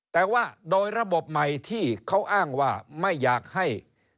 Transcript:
แต่ว่าโดยระบบใหม่ที่เขาอ้างว่าไม่อยากให้